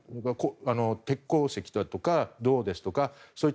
鉄鉱石だとか銅ですとか。